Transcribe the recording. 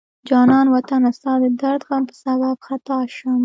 جانان وطنه ستا د درد غم په سبب خطا شم